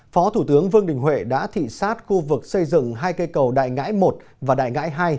phó thủ tướng vương đình huệ đã thị xát khu vực xây dựng hai cây cầu đại ngãi một và đại ngãi hai